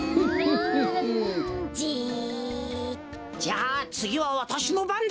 じゃあつぎはわたしのばんだ。